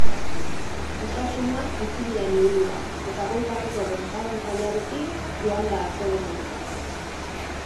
Osasuna ezinean ibili da, eta gol bateko desabantailarekin joan da atsedenaldira.